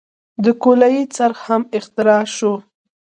د کولالۍ څرخ هم اختراع شو.